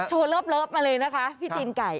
เลิฟมาเลยนะคะพี่ตีนไก่